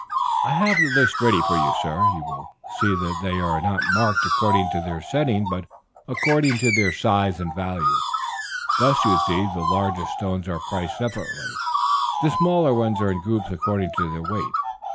"I have the list ready for you, sir; you will see that they are not marked according to their setting, but according to their size and value. Thus, you see, the largest stones are priced separately; the smaller ones are in groups according to their weight.